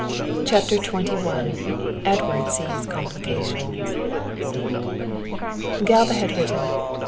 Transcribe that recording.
CHAPTER XXI EDWARD SEES COMPLICATIONS Galva had written "_....